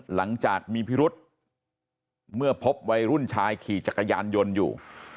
หลังจากมีพิรุษเมื่อพบวัยรุ่นชายขี่จักรยานยนต์อยู่